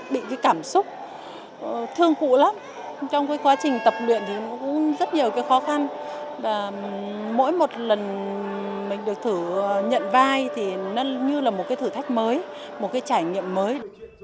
bị cái cảm xúc thương cụ lắm trong cái quá trình tập luyện thì nó cũng rất nhiều cái khó khăn và mỗi một lần mình được thử nhận vai thì nó như là một cái thử thách mới một cái trải nghiệm mới